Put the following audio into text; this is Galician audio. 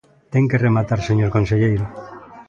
Ten que rematar, señor conselleiro.